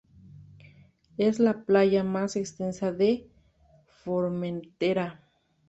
Es la playa más extensa de Formentera.